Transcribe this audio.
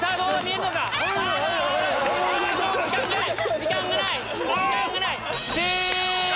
時間がない！